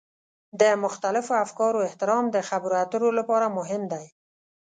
د مختلفو افکارو احترام د خبرو اترو لپاره مهم دی.